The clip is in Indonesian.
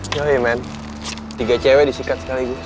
ya ya men tiga cewek disikat sekaligus